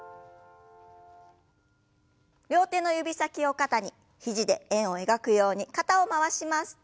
両手の指先を肩に肘で円を描くように肩を回します。